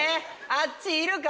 あっちいるから。